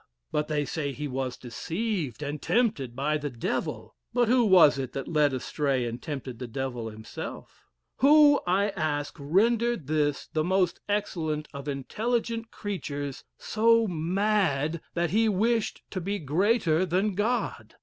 But they say he was deceived and tempted by the devil. But who was it that led astray and tempted the devil himself? Who, I ask, rendered this the most excellent of intelligent creatures so mad, that he wished to be greater than God?